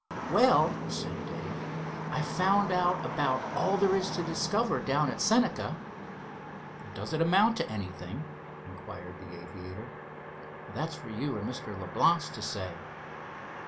"Well," said Dave, "I've found out about all there is to discover down at Senca." "Does it amount to anything?" inquired the aviator. "That's for you and Mr. Leblance to say."